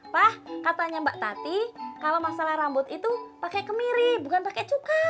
pak katanya mbak tati kalau masalah rambut itu pakai kemiri bukan pakai cuka